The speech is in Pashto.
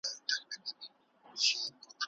ډاکټر وویل چي د ذهن سکون په پوهه کي دی.